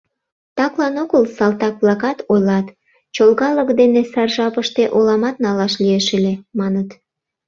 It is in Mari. Таклан огыл салтак-влакат ойлат: «Чолгалык дене сар жапыште оламат налаш лиеш ыле», — маныт.